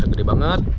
masih besar banget